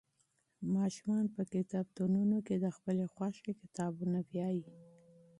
ماشومان په کتابتونونو کې د خپلې خوښې کتابونه لولي.